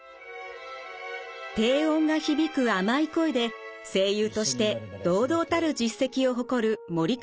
低音が響く甘い声で声優として堂々たる実績を誇る森川さん。